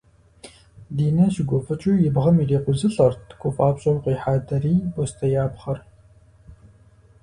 Динэ щыгуфӏыкӏыу и бгъэм ирикъузылӏэрт гуфӏапщӏэу къихьа дарий бостеяпхъэр.